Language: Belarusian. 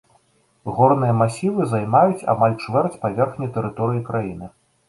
Горныя масівы займаюць амаль чвэрць паверхні тэрыторыі краіны.